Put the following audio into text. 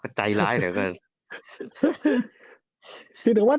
ก็ใจร้ายเลย